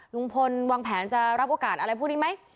ลุงพลวางแผนจะรับโอกาสอะไรพวกนี้ไหม